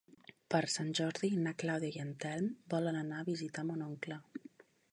Per Sant Jordi na Clàudia i en Telm volen anar a visitar mon oncle.